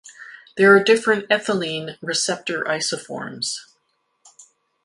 There are different ethylene receptor isoforms.